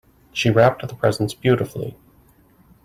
She wrapped the presents beautifully.